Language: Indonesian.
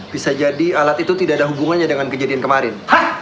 bisa jadi alat itu tidak ada hubungannya dengan kejadian kemarin